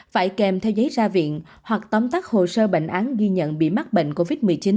phải kèm theo giấy ra viện hoặc tóm tắt hồ sơ bệnh án ghi nhận bị mắc bệnh covid một mươi chín